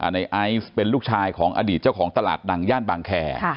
ในไอซ์เป็นลูกชายของอดีตเจ้าของตลาดดังย่านบางแคร์